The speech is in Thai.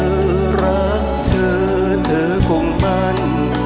รักเธอเธอคงมั่น